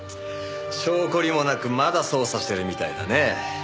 性懲りもなくまだ捜査してるみたいだね。